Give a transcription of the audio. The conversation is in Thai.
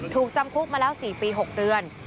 ถูกจำคุกมาแล้ว๔ปี๖เดือน